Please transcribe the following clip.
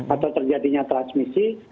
atau terjadinya transmisi